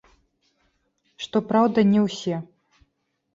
Што праўда, не ўсе.